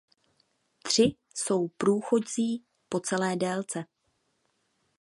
Tři jsou průchozí po celé délce.